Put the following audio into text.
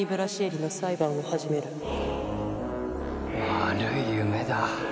悪い夢だ。